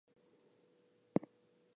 Hello how are you doing